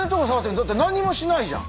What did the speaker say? だって何にもしないじゃん。